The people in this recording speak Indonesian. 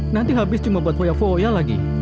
nanti habis cuma buat foya foya lagi